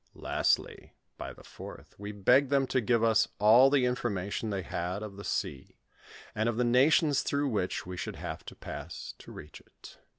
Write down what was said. Lastly, by the fourth, we begged them to give us all the information they had of the sea, and of the nations through which we should have to pass to reach it.